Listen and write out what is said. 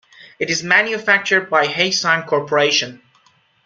It is manufactured by HeySong Corporation.